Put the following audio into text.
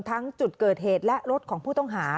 ทั้งจุดเกิดเหตุและรถของผู้ต้องหา